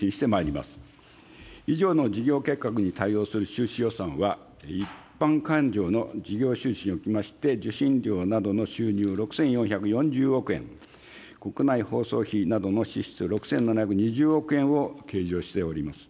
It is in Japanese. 以上の事業計画に対応する収支予算は、一般勘定の事業収支におきまして、受信料などの収入６４４０億円、国内放送費などの支出６７２０億円を計上しております。